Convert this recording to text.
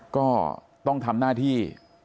ก็ต้องทำหน้าที่